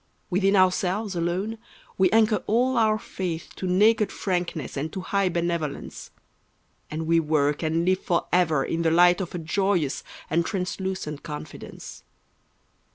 Within ourselves alone we anchor all our faith To naked frankness and to high benevolence; And we work and live forever in the light Of a joyous and translucent confidence.